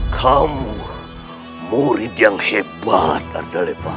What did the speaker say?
kamu murid yang hebat arda lepah